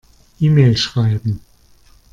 E-Mail schreiben.